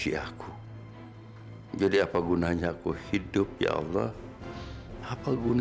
gak ada sangkut pautnya sama itu d